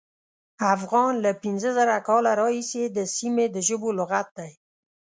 افغان له پینځه زره کاله راهیسې د سیمې د ژبو لغت دی.